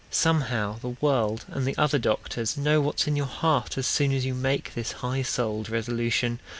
Somehow the world and the other doctors Know what's in your heart as soon as you make This high souled resolution.